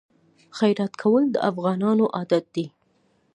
خیرات کول د افغانانو عادت دی.